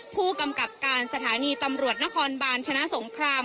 ผู้กำกับการสถานีตำรวจนครบาลชนะสงคราม